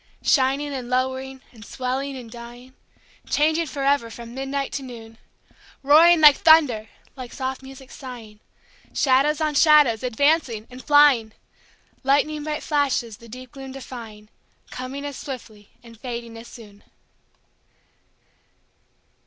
Shining and lowering and swelling and dying, Changing forever from midnight to noon; Roaring like thunder, like soft music sighing, Shadows on shadows advancing and flying, Lighning bright flashes the deep gloom defying, Coming as swiftly and fading as soon.